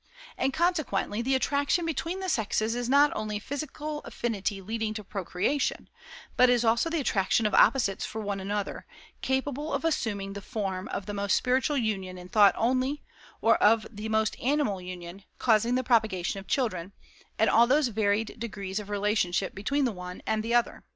And, consequently, the attraction between the sexes is not only physical affinity leading to procreation, but is also the attraction of opposites for one another, capable of assuming the form of the most spiritual union in thought only, or of the most animal union, causing the propagation of children, and all those varied degrees of relationship between the one and the other.